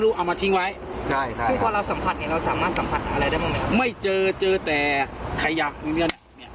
หมอปลาเจออะไรบ้าง